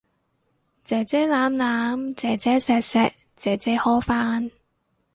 姐姐攬攬，姐姐錫錫，姐姐呵返